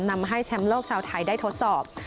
นำให้แชมป์โลกชาวไทยได้ทดสอบ